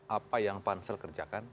apa yang pansel kerjakan